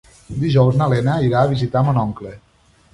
Dijous na Lena irà a visitar mon oncle.